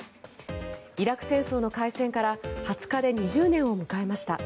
イラク戦争の開戦から２０日で２０年を迎えました。